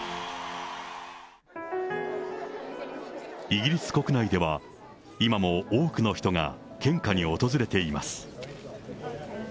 イギリス国内では、今も多くの人が献花に訪れています。